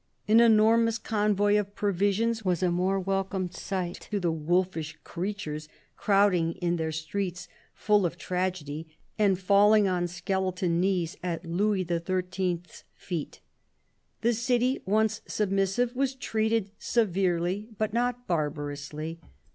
An enormous convoy of provisions was a more welcome sight to the wolfish creatures crowding in their streets full of tragedy and falling on skeleton knees at Louis XHI.'s feet. The city, once submissive, was treated severely, but not barbarously.